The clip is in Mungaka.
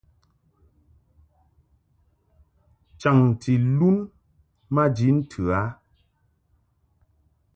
Chaŋti lun maji ntɨ a.